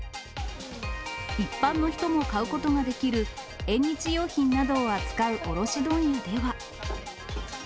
一般の人も買うことができる、縁日用品などを扱う卸問屋では。